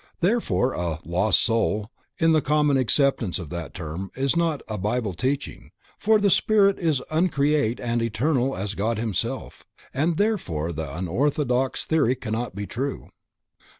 Therefore a "lost soul" in the common acceptance of that term is not a Bible teaching, for the spirit is uncreate and eternal as God Himself, and therefore the orthodox theory cannot be true.